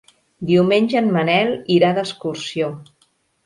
Diumenge en Manel irà d'excursió.